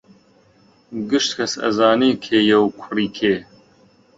گشت کەس ئەزانێ کێیە و کوڕی کێ